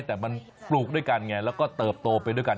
แต่มันปลูกด้วยกันไงแล้วก็เติบโตไปด้วยกัน